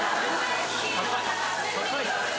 高い高い。